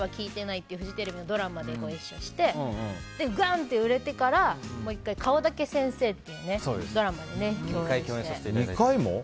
っていうフジテレビのドラマでご一緒して、がんって売れてから「顔だけ先生」っていうドラマで２回も？